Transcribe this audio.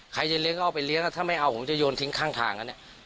ใครจะเลี้ยก็เอาไปเลี้ยถ้าไม่เอาผมจะโยนทิ้งข้างทางกันเนี่ย